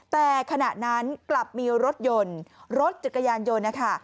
แต่ขณะนั้นกลับมีรถยนต์รถจักรยานยนต์นะคะ